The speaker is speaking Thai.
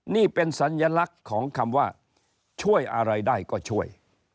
นี่เป็นสัญลักษณ์ของคำว่าช่วยอะไรได้ก็ช่วย